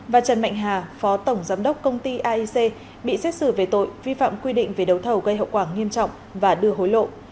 và trần mạnh hà phó tổng giám đốc công ty aic bị xét xử về tội vi phạm quy định về đấu thầu gây hậu quả nghiêm trọng và đưa hối lộ